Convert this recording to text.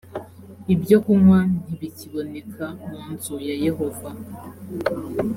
ibyo kunywa ntibikiboneka mu nzu ya yehova